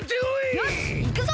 よしいくぞ！